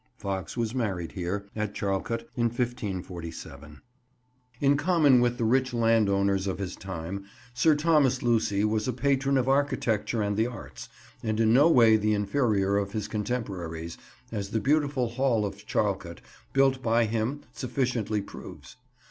Foxe was married here, at Charlecote, in 1547. In common with the rich landowners of his time, Sir Thomas Lucy was a patron of architecture and the arts, and in no way the inferior of his contemporaries, as the beautiful hall of Charlecote, built by him, sufficiently proves.